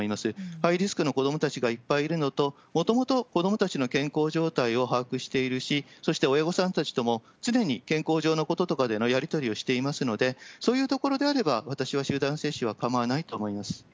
ハイリスクの子どもたちがいっぱいいるのと、もともと子どもたちの健康状態を把握しているし、そして親御さんたちとも常に健康上のこととかでのやり取りをしていますので、そういうところであれば私は集団接種は構わないと思います。